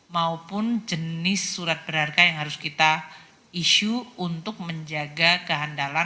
maupun jenis surat berharga yang harus kita isu untuk menjaga kehandalan